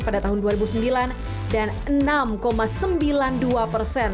pada tahun dua ribu sembilan dan enam sembilan puluh dua persen